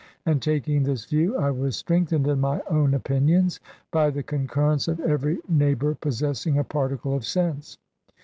And taking this view I was strengthened in my own opinions, by the concurrence of every neighbour possessing a particle of sense.